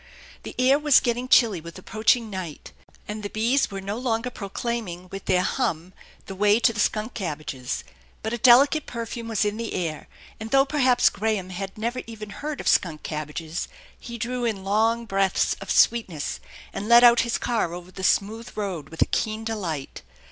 The air was getting chilly with approaching night, and the bees were no longer proclaiming with their hum the way to the skunk cabbages; but a delicate perfume was in the air, and though perhaps Graham had never even 44 THE ENCHANTED BARN heard of skunk cabbages, he drew in long breaths of sweetness, and let out his car over the smooth road with a keen delight.